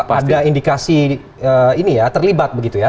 ada indikasi terlibat begitu ya